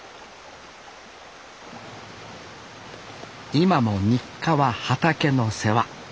今も日課は畑の世話。